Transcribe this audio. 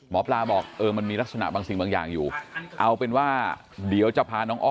มปลาบอกมันมีลักษณะบางสิ่งอยู่เอาเป็นว่าเดี๋ยวจะพาน้อง